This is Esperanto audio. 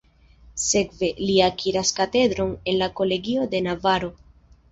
Sekve, li akiras katedron en la Kolegio de Navaro.